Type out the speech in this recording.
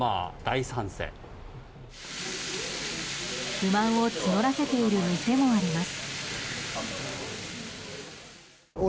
不満を募らせている店もあります。